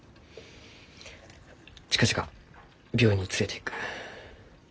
近々病院に連れていく。